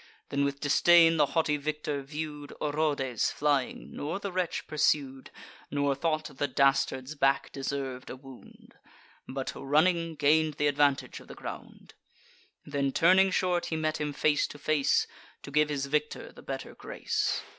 Then with disdain the haughty victor view'd Orodes flying, nor the wretch pursued, Nor thought the dastard's back deserv'd a wound, But, running, gain'd th' advantage of the ground: Then turning short, he met him face to face, To give his victory the better grace.